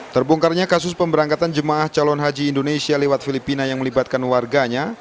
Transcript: terbongkarnya kasus pemberangkatan jemaah calon haji indonesia lewat filipina yang melibatkan warganya